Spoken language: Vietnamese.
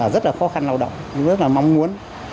rất là khó khăn lao động rất là mong muốn